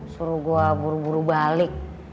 suruh gua buru balik